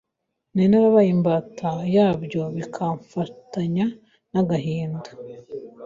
nari narabaye imbata yabyo bikamfatanya n’agahinda